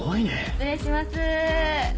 失礼します。